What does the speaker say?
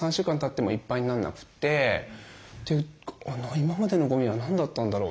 今までのゴミは何だったんだろう。